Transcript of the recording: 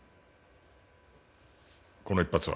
この１発は？